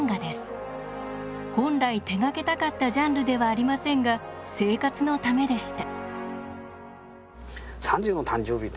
本来手がけたかったジャンルではありませんが生活のためでした。